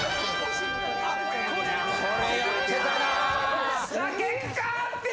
これやってたな！